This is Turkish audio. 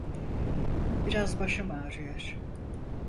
Biraz başım ağrıyor.